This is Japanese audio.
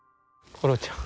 コロちゃん。